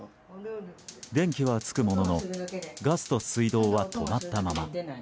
電気はつくもののガスと水道は止まったまま。